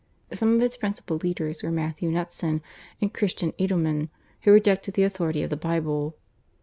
Some of its principal leaders were Matthew Knutzen and Christian Edlemann who rejected the authority of the Bible.